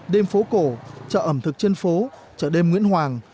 đêm phố cổ chợ ẩm thực trên phố chợ đêm nguyễn hoàng